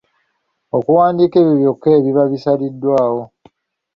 Okuwandiika ebyo byokka ebiba bisaliddwawo. .